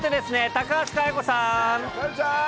高橋佳代子さん。